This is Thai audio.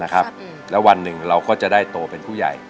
แล้ววันหนึ่งเราก็จะได้โตเป็นผู้ใหญ่